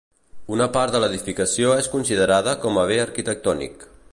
Una part de l'edificació és considerada com a bé arquitectònic.